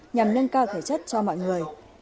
nhằm nâng cao thể chất cho mọi người